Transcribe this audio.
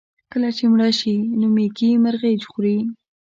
کله چې مړه شي نو مېږي مرغۍ خوري.